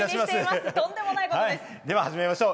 それでは、始めましょう。